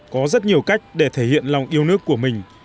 có rất nhiều cách để thể hiện lòng yêu nước của mình